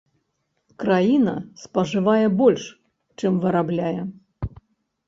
Краіна спажывае больш, чым вырабляе.